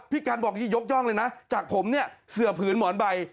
กันบอกยกย่องเลยนะจากผมเนี่ยเสือผืนหมอนใบ